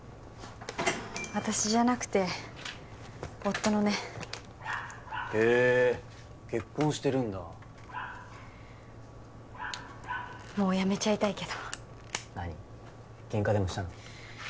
私じゃなくて夫のねへえ結婚してるんだもうやめちゃいたいけど何ケンカでもしたの？